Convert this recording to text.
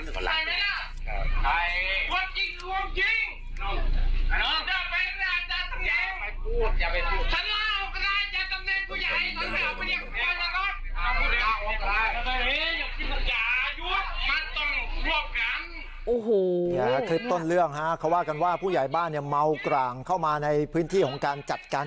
คลิปต้นเรื่องฮะเขาว่ากันว่าผู้ใหญ่บ้านเมากร่างเข้ามาในพื้นที่ของการจัดการ